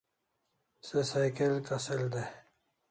Se cycle kasel dai